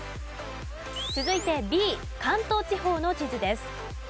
続いてＢ関東地方の地図です。